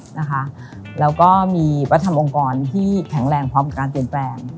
แล้วก็มีวัฒนธรรมองค์กรที่แข็งแรงพร้อมกับการเปลี่ยนแปลง